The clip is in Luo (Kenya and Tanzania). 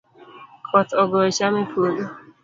Koth ogoyo cham e puodho